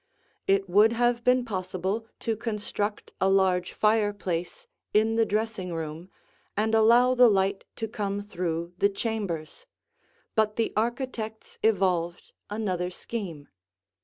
It would have been possible to construct a large fireplace in the dressing room and allow the light to come through the chambers, but the architects evolved another scheme.